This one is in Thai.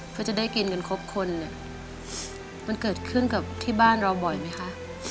เขาจะได้กินกันครบคนเนี่ยมันเกิดขึ้นกับที่บ้านเราบ่อยไหมคะ